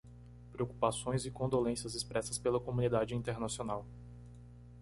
Preocupações e condolências expressas pela comunidade internacional